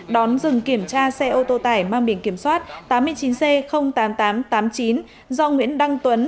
đón dừng kiểm tra xe ô tô tải mang biển kiểm soát tám mươi chín c tám nghìn tám trăm tám mươi chín do nguyễn đăng tuấn